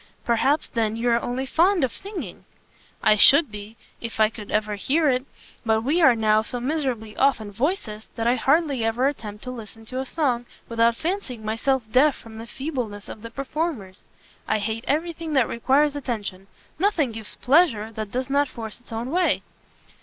"Perhaps, then, you are only fond of singing?" "I should be, if I could hear it; but we are now so miserably off in voices, that I hardly ever attempt to listen to a song, without fancying myself deaf from the feebleness of the performers. I hate every thing that requires attention. Nothing gives pleasure that does not force its own way."